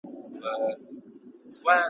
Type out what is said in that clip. د پیربابا پر قبر `